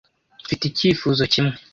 Mfite icyifuzo kimwe.